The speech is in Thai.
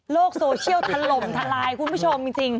โซเชียลถล่มทลายคุณผู้ชมจริง